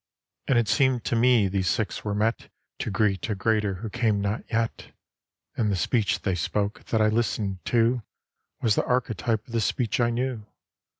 And it seemed to me these six were met To greet a greater who came not yet. And the speech they spoke, that I listened to, Was the archetype of the speech I knew.